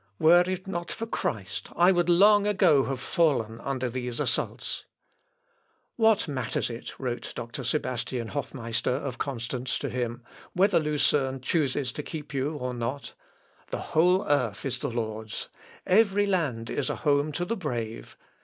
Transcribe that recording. Were it not for Christ I would long ago have fallen under these assaults." "What matters it," wrote Doctor Sebastian Hofmeister of Constance to him, "whether Lucerne chooses to keep you or not? The whole earth is the Lord's. Every land is a home to the brave.